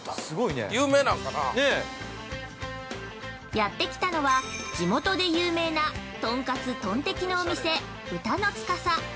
◆やってきたのは地元で有名なトンカツ・トンテキのお店「豚のつかさ」。